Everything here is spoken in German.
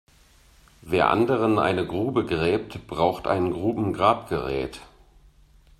Wer anderen eine Grube gräbt, braucht ein Grubengrabgerät.